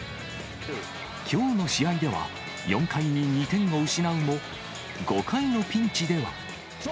きょうの試合では、４回に２点を失うも、５回のピンチでは。